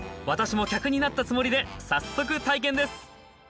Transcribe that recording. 私も客になったつもりで早速体験です！